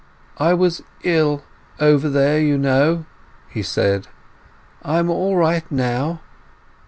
"I was ill over there, you know," he said. "I am all right now."